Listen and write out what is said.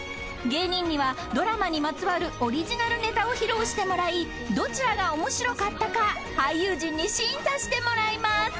［芸人にはドラマにまつわるオリジナルネタを披露してもらいどちらが面白かったか俳優陣に審査してもらいます］